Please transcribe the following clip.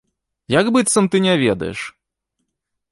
Як быццам ты не ведаеш?